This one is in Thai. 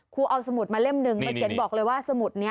เอาสมุดมาเล่มหนึ่งมาเขียนบอกเลยว่าสมุดนี้